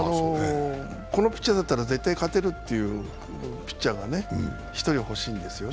このピッチャーだったら絶対に勝てるというピッチャーが１人ほしいですね。